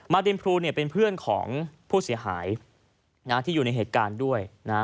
ดินพลูเป็นเพื่อนของผู้เสียหายที่อยู่ในเหตุการณ์ด้วย